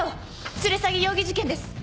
連れ去り容疑事件です。